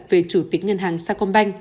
về chủ tịch ngân hàng sacombank